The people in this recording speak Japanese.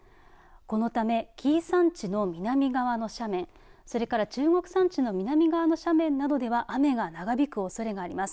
このため、紀伊山地の南側の斜面それから中国山地の南側の斜面などでは雨が長引くおそれがあります。